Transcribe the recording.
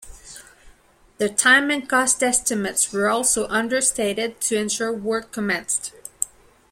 The time and cost estimates were also understated to ensure work commenced.